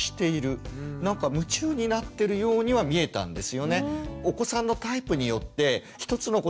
なんか夢中になってるようには見えたんですよね。